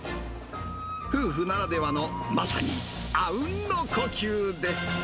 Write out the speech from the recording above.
夫婦ならではのまさにあうんの呼吸です。